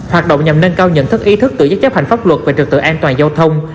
hoạt động nhằm nâng cao nhận thức ý thức tự giác chấp hành pháp luật về trực tự an toàn giao thông